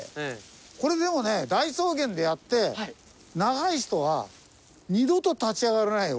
これでもね大草原でやって長い人は二度と立ち上がれないよ